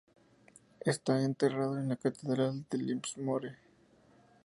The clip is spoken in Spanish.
Está enterrado en la catedral de Lismore.